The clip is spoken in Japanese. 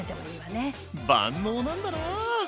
万能なんだな！